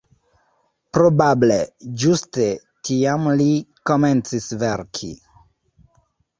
Probable ĝuste tiam li komencis verki.